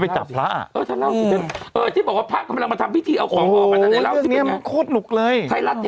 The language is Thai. ได้อย่างนี้ไม่ครับ